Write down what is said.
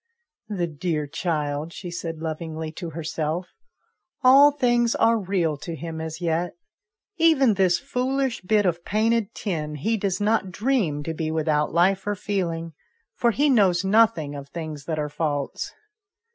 " The dear child !" she said lovingly to herself ;" all things are real to him as yet ; even this foolish bit of painted tin he does not dream to be without life or feeling, for he knows nothing of things that are false."